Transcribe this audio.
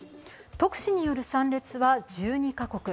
特使による参列は１２か国。